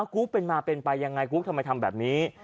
กุ๊กเป็นมาเป็นไปยังไงกุ๊กทำไมทำแบบนี้